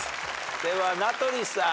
では名取さん。